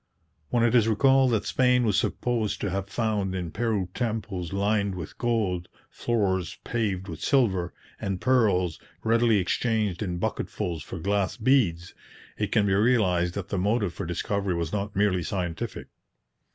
When it is recalled that Spain was supposed to have found in Peru temples lined with gold, floors paved with silver, and pearls readily exchanged in bucketfuls for glass beads, it can be realized that the motive for discovery was not merely scientific.